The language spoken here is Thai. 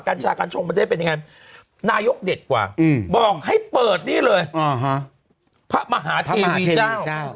กัญชากัญชงประเทศเป็นยังไงนายกเด็ดกว่าบอกให้เปิดนี่เลยพระมหาเทวีเจ้า